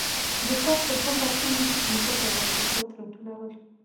د کال په دوو فصلونو کې پنځه ډوله محصولات راټولول